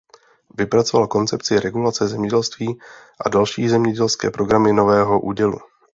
Vypracoval koncepci regulace zemědělství a další zemědělské programy Nového údělu.